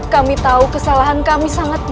kami tahu kesalahan kami sangat